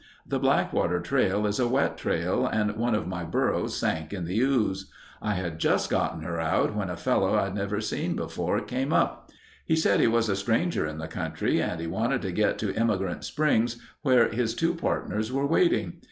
The Blackwater trail is a wet trail and one of my burros sank in the ooze. I had just gotten her out when a fellow I'd never seen before, came up. He said he was a stranger in the country and he wanted to get to Emigrant Springs where his two partners were waiting.